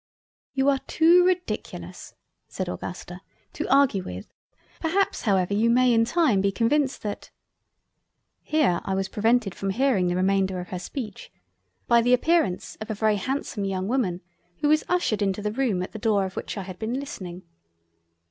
"You are too ridiculous (said Augusta) to argue with; perhaps however you may in time be convinced that..." Here I was prevented from hearing the remainder of her speech, by the appearance of a very Handsome young Woman, who was ushured into the Room at the Door of which I had been listening.